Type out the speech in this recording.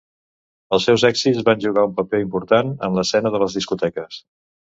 Els seus èxits van jugar un paper important en l'escena de les discoteques.